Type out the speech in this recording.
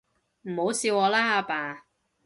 唔好笑我啦，阿爸